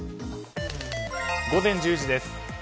午前１０時です。